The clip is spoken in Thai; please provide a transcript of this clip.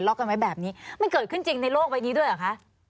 รอกกันไว้แบบนี้มันเกิดขึ้นในโลกไงด้วยอ่ะคะ